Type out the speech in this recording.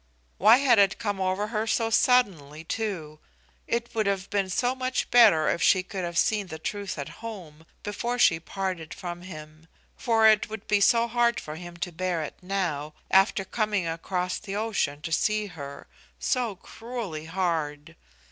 Why had it come over her so suddenly too? It would have been so much better if she could have seen the truth at home, before she parted from him; for it would be so hard for him to bear it now, after coming across the ocean to see her so cruelly hard.